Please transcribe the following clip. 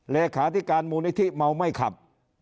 เลขาธิการมูลนิธิเมาไม่ขับ